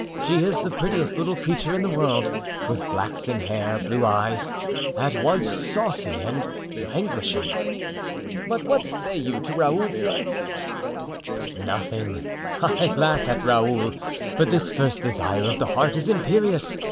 She is the prettiest little creature in the world, with flaxen hair, blue eyes,—at once saucy and languishing." "But what say you to Raoul's fancy?" "Nothing—I laugh at Raoul; but this first desire of the heart is imperious.